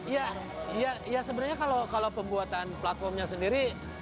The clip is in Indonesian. ya sebenarnya kalau pembuatan platformnya sendiri